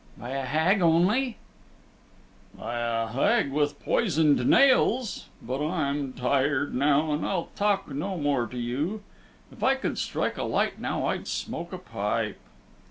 "By a Hag only?" "By a Hag with poisoned nails. But I'm tired now, and I'll talk no more to you. If I could strike a light now I'd smoke a pipe."